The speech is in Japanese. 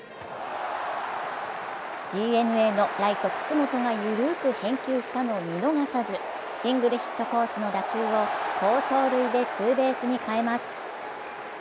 ＤｅＮＡのライト・楠本が緩く返球したのを見逃さず、シングルヒットコースの打球を好走塁でツーベースに変えます。